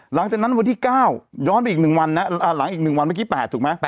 หลังจากนั้นวันที่เก้าย้อนไปอีกหนึ่งวันนะอ่าหลังอีกหนึ่งวันเมื่อกี้แปดถูกไหม